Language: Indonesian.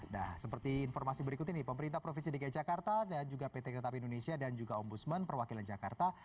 nah seperti informasi berikut ini pemerintah provinsi dki jakarta dan juga pt kereta api indonesia dan juga ombudsman perwakilan jakarta